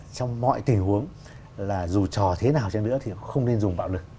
trong mọi tình huống là dù trò thế nào chăng nữa thì không nên dùng bạo lực